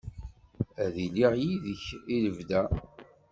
Ad iliɣ yid-k i lebda.